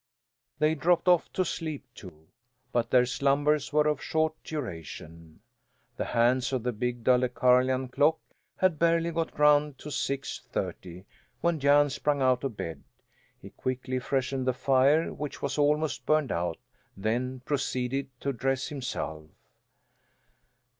They dropped off to sleep, too; but their slumbers were of short duration. The hands of the big Dalecarlian clock had barely got round to six thirty when Jan sprang out of bed; he quickly freshened the fire, which was almost burned out, then proceeded to dress himself.